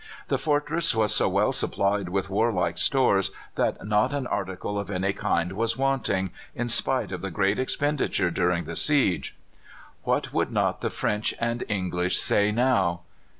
The fortress was so well supplied with warlike stores that not an article of any kind was wanting, in spite of the great expenditure during the siege. What would not the French and English say now?